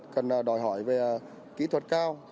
cần đòi hỏi về kỹ thuật cao